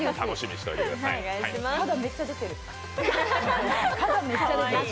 肌めっちゃ出てる。